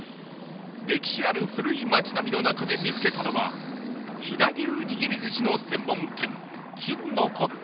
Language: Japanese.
歴史ある「古い町並」の中で見つけたのは飛騨牛握り寿司の専門店